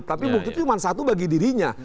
tapi bukti cuma satu bagi dirinya